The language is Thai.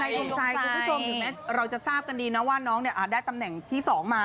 ดวงใจคุณผู้ชมถึงแม้เราจะทราบกันดีนะว่าน้องเนี่ยอาจได้ตำแหน่งที่๒มา